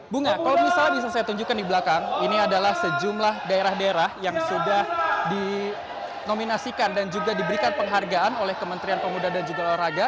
bunga kalau misalnya bisa saya tunjukkan di belakang ini adalah sejumlah daerah daerah yang sudah dinominasikan dan juga diberikan penghargaan oleh kementerian pemuda dan juga olahraga